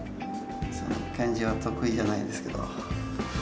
漢字は得意じゃないですけど。